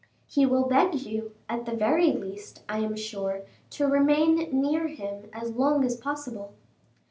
"He well beg you, at the very least, I am sure, to remain near him as long as possible."